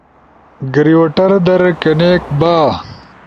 گریوٹر در کنیکٹ با